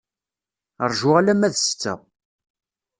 Rju alamma d ssetta.